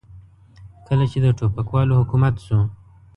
کله چې د ټوپکوالو حکومت شو.